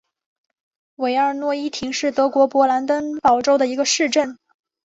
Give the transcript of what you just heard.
韦尔诺伊亨是德国勃兰登堡州的一个市镇。